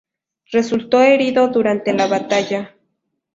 Resultó herido durante la batalla.